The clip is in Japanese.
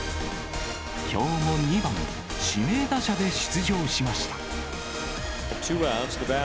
きょうも２番指名打者で出場しました。